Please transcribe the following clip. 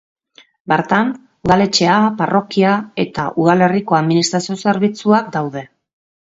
Bertan, udaletxea, parrokia eta udalerriko administrazio zerbitzuak daude.